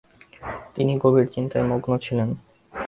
তিনি গভীর চিন্তায় মগ্ন ছিলেন।